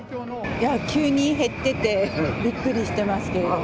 急に減ってて、びっくりしてますけれども。